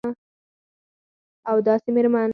او داسي میرمن